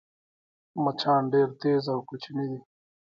مچان ډېر تېز او کوچني دي